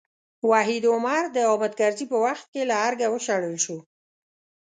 وحید عمر د حامد کرزي په وخت کې له ارګه وشړل شو.